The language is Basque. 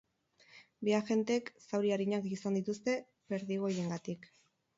Bi agentek zauri arinak izan dituzte perdigoiengatik.